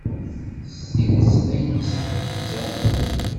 S tidet d ayen isseḥzanen.